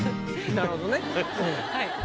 なるほどねうん。